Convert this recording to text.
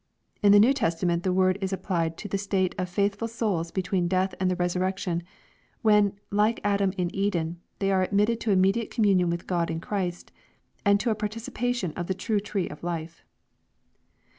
In the New Testament the word is ap plied to the state of faithful souls between death and the resur rection, when, like Adam in Eden, they are admitted to immediate communion with God in Christ, and to a participation of the true tree of life."